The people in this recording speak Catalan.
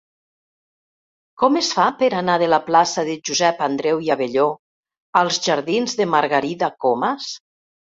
Com es fa per anar de la plaça de Josep Andreu i Abelló als jardins de Margarida Comas?